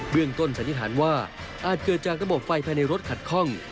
เบื้องต้นสัญญาณว่าอาจเกิดจากระบบไฟไปในรถขัดคล่อง